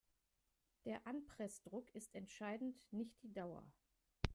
Der Anpressdruck ist entscheidend, nicht die Dauer.